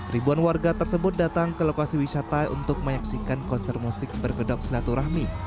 ribuan warga tersebut datang ke lokasi wisata untuk menyaksikan konser musik bergedok silaturahmi